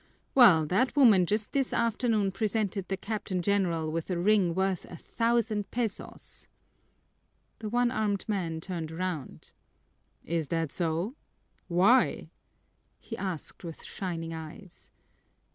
"Well, that woman just this afternoon presented the Captain General with a ring worth a thousand pesos!" The one armed man turned around. "Is that so? Why?" he asked with shining eyes.